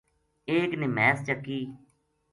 ایک نے مھیس چاکی